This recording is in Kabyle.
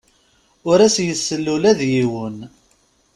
Ur as-yessal ula d yiwen.